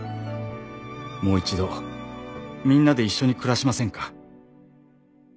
「もう一度みんなで一緒に暮らしませんか」